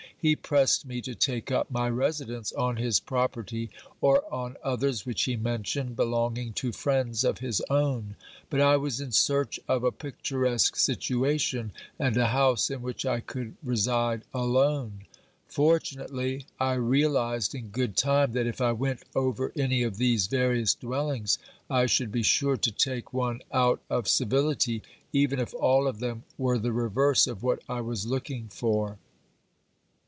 He pressed me to take up my residence on his property, or on others which he mentioned, belonging to friends of his own. But I was in search of a picturesque situation, and a house in which I could reside alone. For tunately, I realised in good time that if I went over any of these various dwellings, I should be sure to take one out of civility, even if all of them were the reverse of what I was looking for.